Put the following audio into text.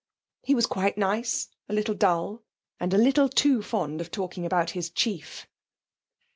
He was quite nice: a little dull, and a little too fond of talking about his chief.